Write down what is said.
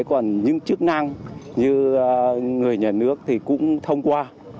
còn những chức năng như người nhà nước thì cũng thông qua